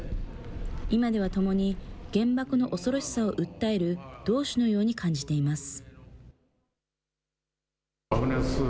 今ではともに原爆の恐ろしさを訴える、同志のように感じています。